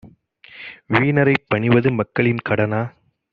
வீணரைப் பணிவது மக்களின் கடனா?